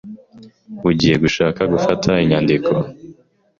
Ugiye gushaka gufata inyandiko.